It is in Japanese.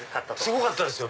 すごかったですよ